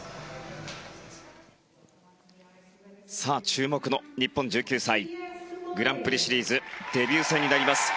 注目の日本１９歳グランプリシリーズデビュー戦になります。